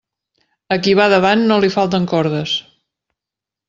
A qui va davant no li falten cordes.